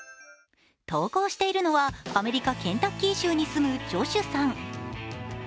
投稿しているのはアメリカ・ケンタッキー州に住むジョシュさん。